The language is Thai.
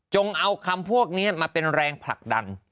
เอาคำพวกนี้มาเป็นแรงผลักดัน